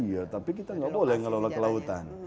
iya tapi kita tidak boleh mengelola kelautan